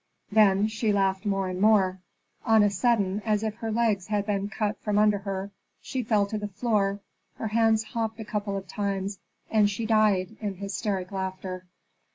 Then she laughed more and more. On a sudden, as if her legs had been cut from under her, she fell to the floor, her hands hopped a couple of times, and she died in hysteric laughter.